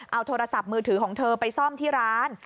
เอาโทรศัพท์มือถือของเธอไปซ่อมที่ร้าน